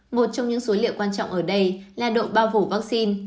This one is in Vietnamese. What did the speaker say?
một trong những số liệu quan trọng ở đây là độ bao phủ vaccine